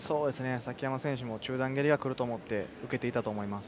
崎山選手も中段蹴りが来ると思って受けていたと思います。